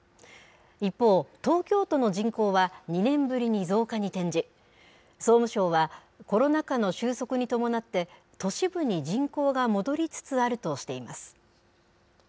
一方、東京都の人口は２年ぶりに増加に転じ、総務省はコロナ禍の収束に伴って、都市部に人口が戻りつつあるとしています。